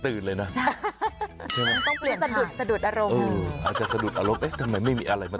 เอออาจจะสะดุดอารมณ์เอ๊ะทำไมไม่มีอะไรมาติด